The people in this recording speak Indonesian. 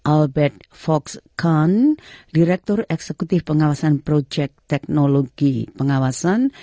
albert fox kahn direktur eksekutif pengawasan projek teknologi pengawasan